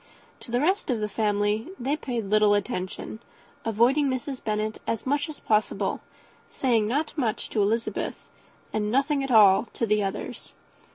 To the rest of the family they paid little attention; avoiding Mrs. Bennet as much as possible, saying not much to Elizabeth, and nothing at all to the others.